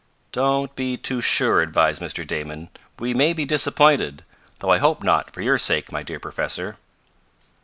"Don't be too sure," advised Mr. Damon, "We may be disappointed. Though I hope not for your sake, my dear Professor."